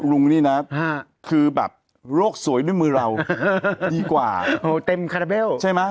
ลุงนี่น่ะคือแบบโลกสวยด้วยมือเราดีกว่าโหเต็มใช่ไหม